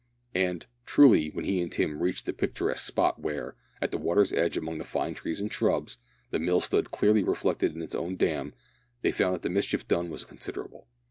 And, truly, when he and Tim reached the picturesque spot where, at the water's edge among fine trees and shrubs, the mill stood clearly reflected in its own dam, they found that the mischief done was considerable.